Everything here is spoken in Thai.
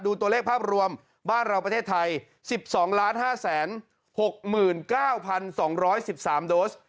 ตัวเลขภาพรวมบ้านเราประเทศไทย๑๒๕๖๙๒๑๓โดส